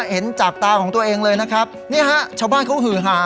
เห็นจากตาของตัวเองเลยนะครับนี่ฮะชาวบ้านเขาหือหา